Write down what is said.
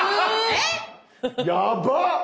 え⁉やばっ！